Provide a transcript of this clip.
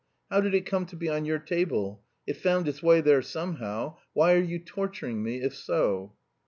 How did it come to be on your table? It found its way there somehow! Why are you torturing me, if so?"